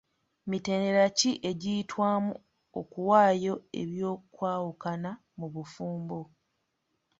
Mitendera ki egiyitwamu okuwaayo eby'okwawukana mu bufumbo?